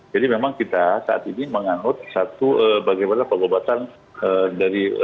jadi memang kita saat ini menganut satu bagaimana pengobatan dari